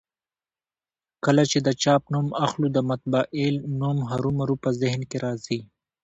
کله چي د چاپ نوم اخلو؛ د مطبعې نوم هرومرو په ذهن کي راځي.